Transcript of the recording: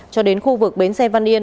cho đến khu vực bến xe văn yên